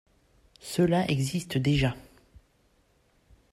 Cela existe déjà